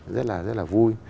rất là rất là vui